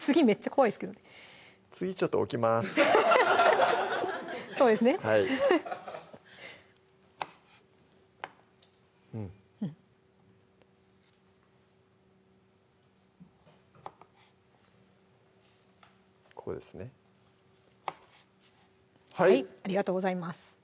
こうですねはいありがとうございます